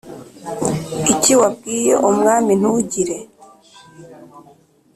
iki wabwiye umwami Ntugire